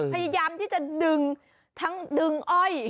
พยายามที่จะดึงทั้งดึงอ้อย